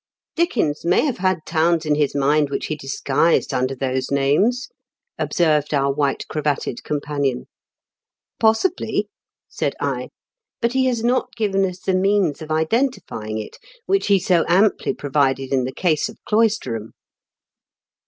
"Dickens may have had towns in his mind which he disguised under those names," observed our white cravatted companion. "Possibly," said I. "But he has not given us the means of identifying it, which he so amply provided in the case of Cloisterham."